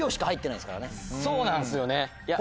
そうなんすよね。